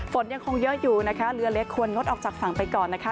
ฝนยังคงเยอะอยู่นะคะเรือเล็กควรงดออกจากฝั่งไปก่อนนะคะ